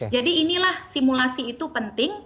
jadi inilah simulasi itu penting